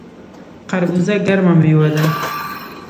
خربوزه ګرمه میوه ده